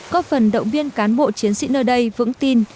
có phần động viên cán bộ chiến sĩ nơi đây vững tin